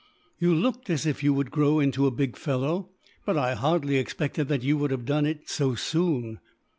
"You looked as if you would grow into a big fellow, but I hardly expected that you would have done it so soon."